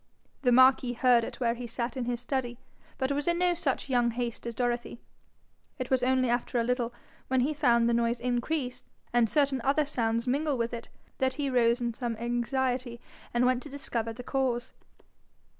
The marquis heard it where he sat in his study, but was in no such young haste as Dorothy: it was only after a little, when he found the noise increase, and certain other sounds mingle with it, that he rose in some anxiety and went to discover the cause.